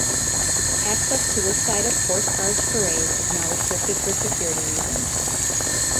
Access to this side of Horse Guards Parade is now restricted for security reasons.